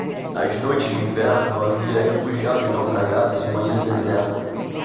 Nas noites de inverno, havia refugiados naufragados em uma ilha deserta.